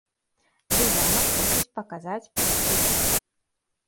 Дыяна просіць паказаць прэс-рэліз.